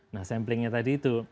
nah samplingnya tadi itu